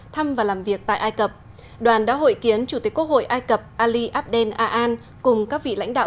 thăm và làm việc tại ai cập đoàn đã hội kiến chủ tịch quốc hội ai cập ali abdel aan cùng các vị lãnh đạo